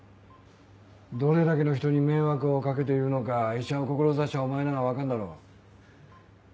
どれだけの人に迷惑を掛けているのか医者を志したお前なら分かるだろ。